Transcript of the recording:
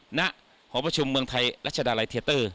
หอประชุมเมืองไทยรัชดาลัยเทียเตอร์